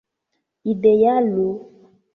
idealo